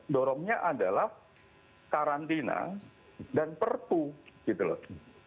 dorongnya adalah karantina dan perpu gitu loh